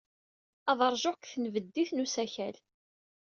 Ad ṛjuɣ deg tenbeddit n usakal.